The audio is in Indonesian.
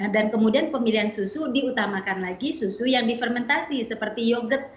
kemudian pemilihan susu diutamakan lagi susu yang difermentasi seperti yogurt